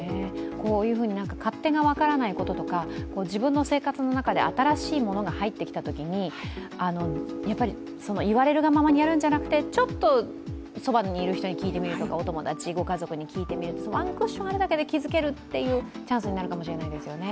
勝手が分からないこととか自分の生活の中で新しいものが入ってきたときに言われるがままにやるんじゃなくて、ちょっとそばにいる人に聞いてみるとか、お友達、ご家族に聞いてみる、ワンクッションあるだけで気付けるチャンスになるかもしれないですよね。